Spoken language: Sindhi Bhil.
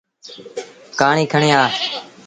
ڪهآڙيٚ کڻي آ۔